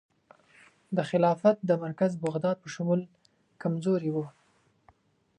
د خلافت د مرکز بغداد په شمول کمزوري وه.